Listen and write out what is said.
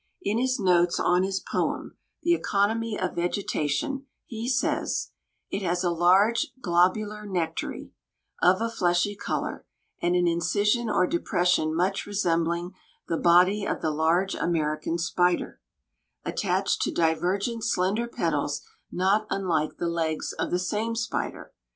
In his notes on his poem, "The Economy of Vegetation," he says: "It has a large globular nectary of a fleshy color, and an incision or depression much resembling the body of the large American spider attached to divergent slender petals not unlike the legs of the same spider."